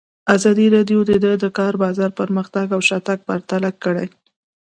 ازادي راډیو د د کار بازار پرمختګ او شاتګ پرتله کړی.